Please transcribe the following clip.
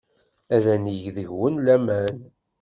Ad neg deg-went laman.